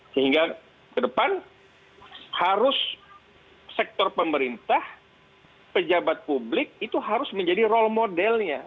sehingga ke depan harus sektor pemerintah pejabat publik itu harus menjadi role modelnya